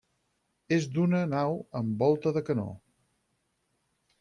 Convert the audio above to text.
És d'una nau, amb volta de canó.